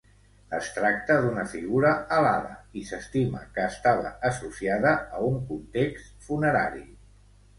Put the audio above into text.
Es tracta d'una figura alada i s'estima que estava associada a un context funerari.